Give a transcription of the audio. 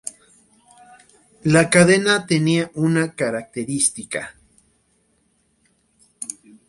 La cadena tenía una característica.